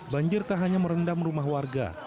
banjir tak hanya merendam rumah warga